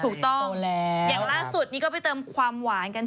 ถูกต้องอย่างล่าสุดนี้ก็ไปเติมความหวานกัน